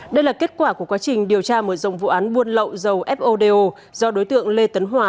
đây là kết quả của quá trình điều tra mở rộng vụ án buôn lậu dầu fodo do đối tượng lê tấn hòa